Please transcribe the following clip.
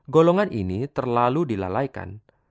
golongan ini terlalu dilalaikan